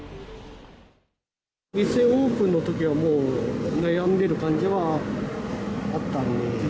店オープンのときはもう、悩んでいる感じはあったんで。